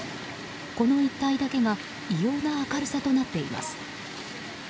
この一帯だけが異様な明るさとなっています。